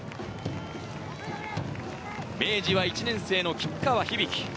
明治は１年生の吉川響。